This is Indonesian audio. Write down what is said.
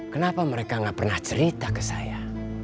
kenapa mereka gak pernah cerita ke saya